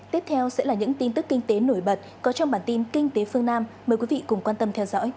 tiếp theo sẽ là những tin tức kinh tế nổi bật có trong bản tin kinh tế phương nam